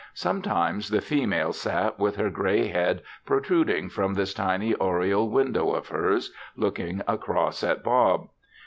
Sometimes the female sat with her gray head protruding from this tiny oriel window of hers looking across at Bob.